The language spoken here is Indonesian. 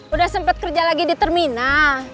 udah sempet kerja lagi di termina